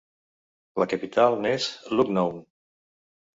La capital n'és Lucknow.